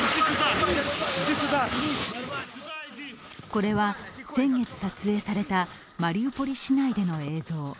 これは先月撮影されたマリウポリ市内での映像。